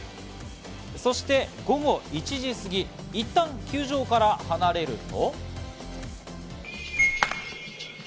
そして午後１時すぎ、いったん球場から離れると。